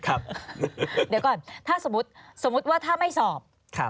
เดี๋ยวก่อนถ้าสมมติว่าถ้าไม่สอบ